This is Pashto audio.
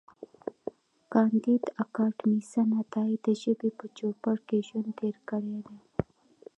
کانديد اکاډميسن عطایي د ژبې په چوپړ کې ژوند تېر کړی دی.